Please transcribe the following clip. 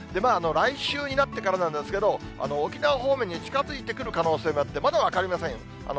来週になってからなんですけど、沖縄方面に近づいてくる可能性もあって、まだ分かりません。